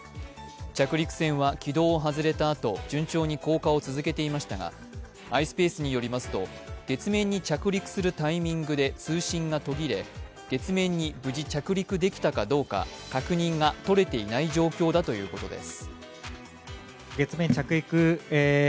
着陸船は軌道を外れたあと順調に降下を続けていましたがｉｓｐａｃｅによりますと、月面に着陸するタイミングで通信が途切れ月面に無事着陸できたかどうか確認がとれていない状況だということです。